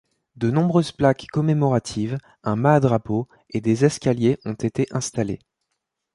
De nombreuses plaques commémoratives, un mat à drapeau, et des escaliers ont été installés.